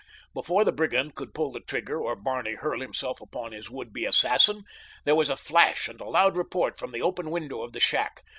Before the brigand could pull the trigger, or Barney hurl himself upon his would be assassin, there was a flash and a loud report from the open window of the shack.